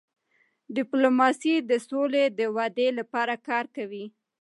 ډيپلوماسي د سولې د ودی لپاره کار کوي.